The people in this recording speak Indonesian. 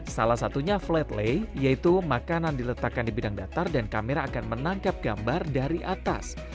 salah satunya flat lay yaitu makanan diletakkan di bidang datar dan kamera akan menangkap gambar dari atas